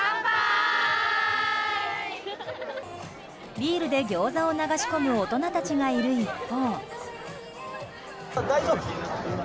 ビールでギョーザを流し込む大人たちがいる一方。